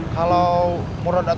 kalau ada penekan